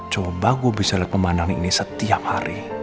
coba gue bisa liat pemandang ini setiap hari